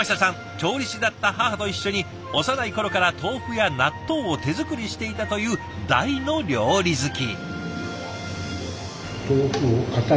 調理師だった母と一緒に幼い頃から豆腐や納豆を手作りしていたという大の料理好き。